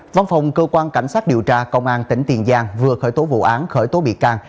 văn phòng cơ quan cảnh sát điều tra công an tỉnh tiền giang vừa khởi tố vụ án khởi tố bị can